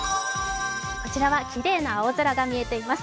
こちらはきれいな青空が見えています。